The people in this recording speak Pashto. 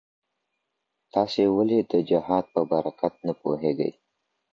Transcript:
تاسي ولي د جهاد په برکت نه پوهېږئ؟